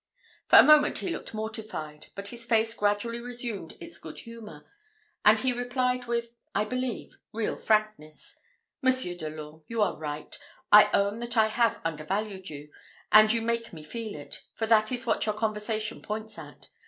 For a moment he looked mortified, but his face gradually resumed its good humour; and he replied with, I believe, real frankness, "Monsieur de l'Orme, you are right. I own that I have undervalued you, and you make me feel it, for that is what your conversation points at.